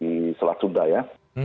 di selat sunda ya